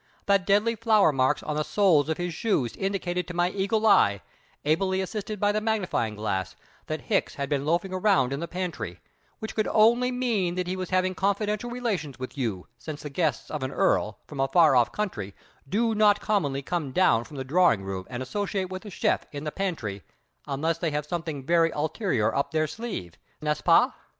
The deadly flour marks on the soles of his shoes indicated to my eagle eye, ably assisted by the magnifying glass, that Hicks had been loafing around in the pantry; which could only mean that he was having confidential relations with you, since the guests of an earl, from a far off country, do not commonly come down from the drawing room and associate with the chef in the pantry unless they have something very ulterior up their sleeve, n'est ce pas?"